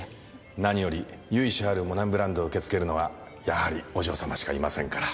何より由緒あるモナミブランドを受け継げるのはやはりお嬢様しかいませんから。